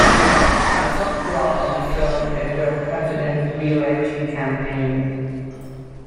A subplot of the film is the President's re-election campaign.